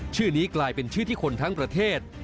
ชื่อนี้กลายเป็นชื่อที่คนทั้งประเทศ